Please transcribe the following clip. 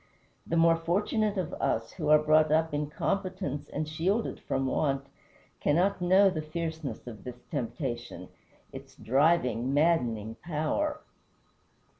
The more fortunate of us, who are brought up in competence and shielded from want, cannot know the fierceness of this temptation its driving, maddening power.